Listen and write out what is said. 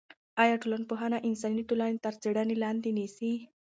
آیا ټولنپوهنه انساني ټولنې تر څېړنې لاندې نیسي؟